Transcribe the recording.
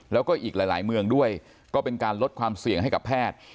แล้วก็อีกหลายเมืองด้วยก็เป็นการลดความเสี่ยงให้กับแพทย์